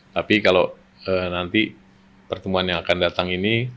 tapi kalau nanti pertemuan yang akan datang ini